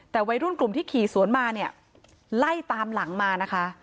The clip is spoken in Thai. แต่วัยรุ่นกลุ่มที่ขี่สวนมาเนี่ยไล่ตามหลังมานะคะ